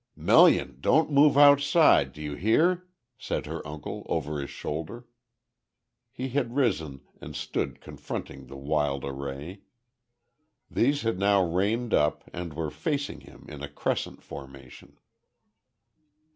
"Melian, don't move outside, do you hear," said her uncle over his shoulder. He had risen, and stood confronting the wild array. These had now reined up, and were facing him, in a crescent formation.